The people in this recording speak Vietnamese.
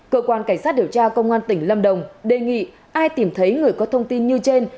cơ quan cảnh sát điều tra công an tỉnh lâm đồng đề nghị ai tìm thấy người có thông tin như trên